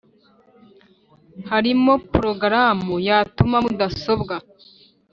Harimo porogaramu yatuma mudasobwa